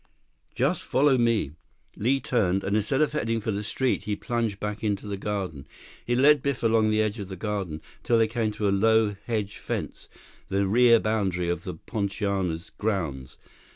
46 "Just follow me." Li turned, and instead of heading for the street, he plunged back into the garden. He led Biff along the edge of the garden, until they came to a low hedge fence, the rear boundary of the Poinciana's grounds.